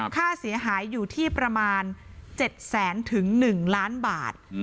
ค่าเสียหายอยู่ที่ประมาณ๗แสนถึง๑ล้านบาท